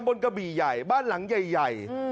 กระบี่ใหญ่บ้านหลังใหญ่